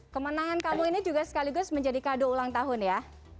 kemenangan kamu ini juga sekaligus menjadi kado ulang tahun ya